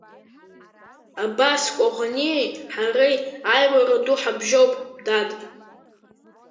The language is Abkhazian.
Абас Кәаӷәаниеи ҳареи аиуара ду ҳабжьоуп, дад!